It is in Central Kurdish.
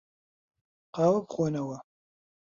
قاوە بخۆنەوە.